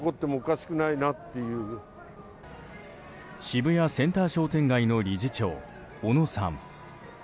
渋谷センター商店街の理事長小野さん。